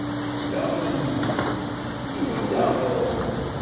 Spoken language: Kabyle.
Ala a mmi, ini-d aɣrum.